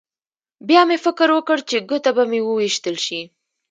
بیا مې فکر وکړ چې ګوته به مې وویشتل شي